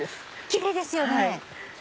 キレイですよね！